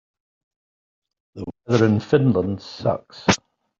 The weather in Finland sucks.